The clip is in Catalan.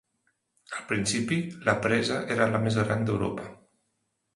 Al principi, la presa era la més gran d'Europa.